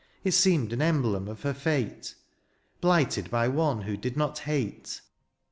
It seemed an emblem of her fate. Blighted by one who did not hate.